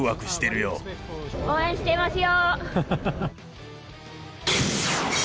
応援してますよ。